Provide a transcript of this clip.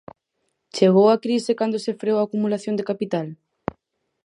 Chegou a crise cando se freou a acumulación de capital?